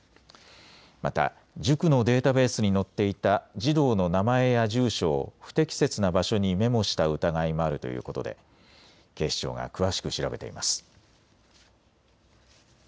また塾のデータベースに載っていた児童の名前や住所を不適切な場所にメモした疑いもあるということで警視庁が詳しく調べています。